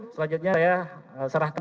selanjutnya saya sarankan